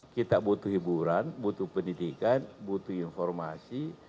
kita butuh hiburan butuh pendidikan butuh informasi